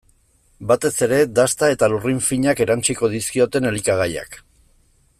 Batez ere dasta eta lurrin finak erantsiko dizkioten elikagaiak.